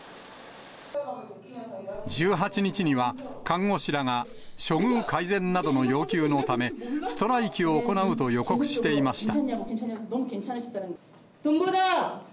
１８日には、看護師らが処遇改善などの要求のため、ストライキを行うと予告していました。